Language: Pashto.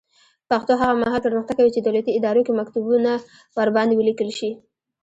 پښتو هغه مهال پرمختګ کوي چې دولتي ادارو کې مکتوبونه ورباندې ولیکل شي.